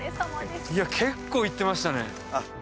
いや結構行ってましたね